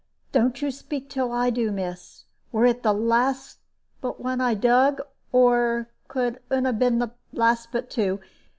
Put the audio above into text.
Don't you speak till I do, miss. Were it the last but one I dug? Or could un 'a been the last but two?